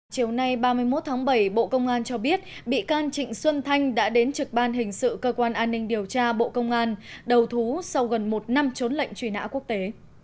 chiều nay ba mươi một tháng bảy bộ công an cho biết bị can trịnh xuân thanh đã đến trực ban hình sự cơ quan an ninh điều tra bộ công an đầu thú sau gần một năm trốn lệnh truy nã quốc tế